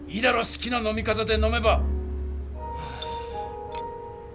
すきな飲み方で飲めば！